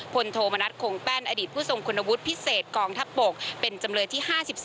โทมนัฐคงแป้นอดีตผู้ทรงคุณวุฒิพิเศษกองทัพบกเป็นจำเลยที่๕๔